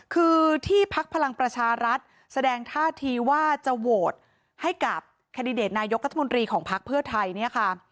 คือที่พักพลังประชารัฐแสดงท่าทีว่าจะโหวตให้กับแคนดิเดตนายกรัฐมนตรีของพักเพื่อไทยเนี่ยค่ะ